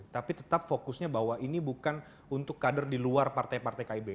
tapi tetap fokusnya bahwa ini bukan untuk kader di luar partai partai kib